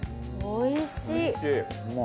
おいしい！